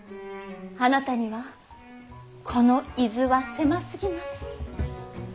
あなたにはこの伊豆は狭すぎます。